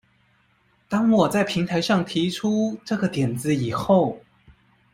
當我在平台上提出這個點子以後